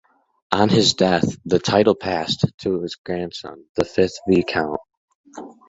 On his death the title passed to his grandson, the fifth Viscount.